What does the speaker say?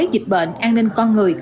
dịch bệnh an ninh con người